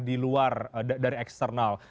di luar dari eksternal